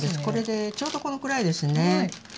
ちょうどこのくらいですね。